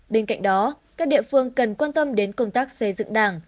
bên cạnh đó các địa phương cần quan tâm đến công tác xây dựng đảng